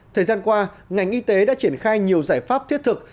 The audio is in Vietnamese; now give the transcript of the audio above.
thời gian qua ngành y tế đã triển khai nhiều giải pháp thiết thực